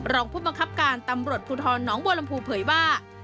รองผู้บังคับการตำรวจภูทรน้องบัวลำพูเผยว่า